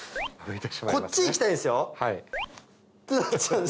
こっち行きたいんですよ。